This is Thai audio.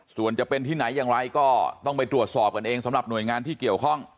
ส่วนจะเป็นที่ไหนอย่างไรก็ต้องไปตรวจสอบกันเองสำหรับหน่วยงานที่เกี่ยวข้อง